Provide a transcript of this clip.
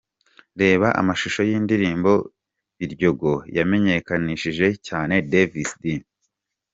Reba amashusho y'indirimbo 'Biryogo' yamenyekanishije cyane Davis D.